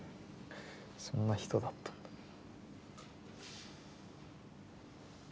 そんな人だったんだ。